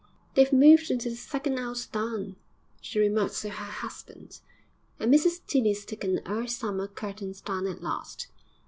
'They've moved into the second 'ouse down,' she remarked to her husband. 'And Mrs Tilly's taken 'er summer curtains down at last.'